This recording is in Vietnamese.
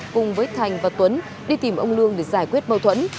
cùng với thành và tuấn đi tìm ông lương để giải quyết mâu thuẫn